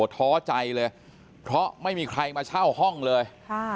ท้อใจเลยเพราะไม่มีใครมาเช่าห้องเลย